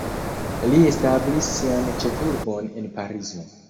Li establis sian ĉefurbon en Parizo.